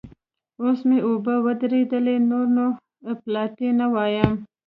اوس مې اوبه ودرېدلې؛ نور نو اپلاتي نه وایم.